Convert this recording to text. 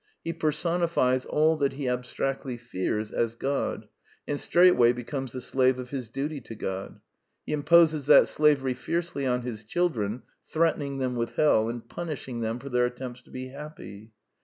He personifies all that he abstractly fears as God, and straightway be comes the slave of his duty to God. He imposes that slavery fiercely on his children, threatening them with hell, and punishing them for their at tempts to be happy.